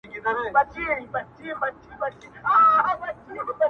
• بشري حقونه دا پېښه غندي او نيوکي کوي سخت..